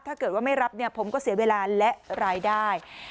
ถ้าเกิดว่าไม่รับเนี่ยผมก็เสียเวลาและรายได้